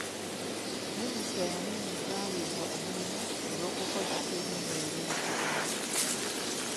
Minisita yanenya abaweebwa omulimu olw'okukozesa ebyuma ebibi mu kuzimba.